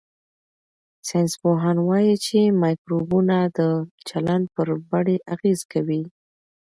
ساینسپوهان وايي چې مایکروبونه د چلند پر بڼې اغېز کوي.